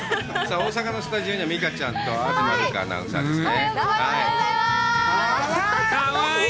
大阪のスタジオには美佳ちゃんと東留伽アナウンサーですね。